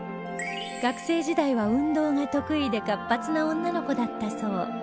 学生時代は運動が得意で活発な女の子だったそう